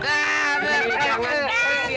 nanti jangan nanti